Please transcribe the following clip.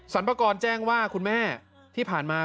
ปากรแจ้งว่าคุณแม่ที่ผ่านมา